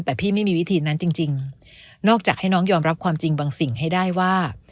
แต่พี่ไม่มีวิธีนั้นจริงนอกจากให้น้องยอมรับความจริงบางสิ่งให้ได้ว่า